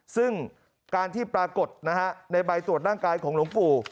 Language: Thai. ซึ่งการที่ปรากฏนะฮะในใบตรวจร่างกายของหลวงปู่